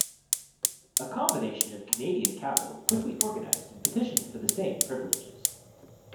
A combination of Canadian capital quickly organized and petitioned for the same privileges.